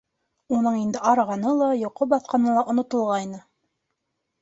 Уның инде арығаны ла, йоҡо баҫҡаны ла онотолғайны.